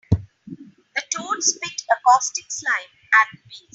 The toad spit a caustic slime at the bees.